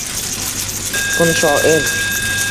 Tutqun shoir, —